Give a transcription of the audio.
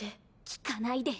聞かないで。